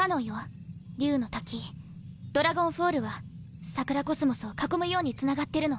竜の滝ドラゴンフォールは桜宇宙を囲むようにつながってるの。